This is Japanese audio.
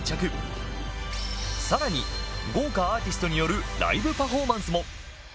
さらに、豪華アーティストによるライブパフォーマンスも！